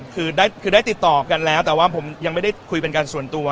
คือได้ติดต่อกันแล้วแต่ว่าผมยังไม่ได้คุยเป็นการส่วนตัว